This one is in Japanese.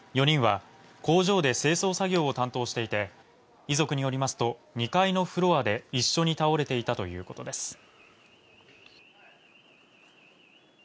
４人は工場で清掃作業を担当していて遺族によりますと、２階のフロアで一緒に倒れていたということです。